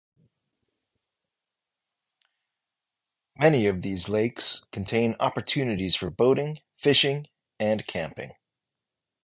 Many of these lakes contain opportunities for boating, fishing and camping.